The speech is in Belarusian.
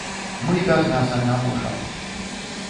Мы без мяса не можам.